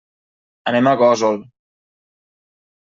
Anem a Gósol.